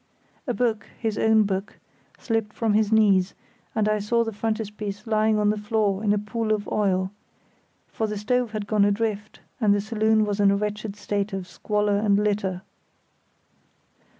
A book, his own book, slipped from his knees, and I saw the frontispiece lying on the floor in a pool of oil; for the stove had gone adrift, and the saloon was in a wretched state of squalor and litter.